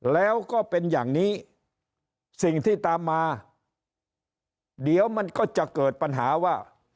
แล้วก็เป็นอย่างนี้สิ่งที่ตามมาเดี๋ยวมันก็จะเกิดปัญหาว่า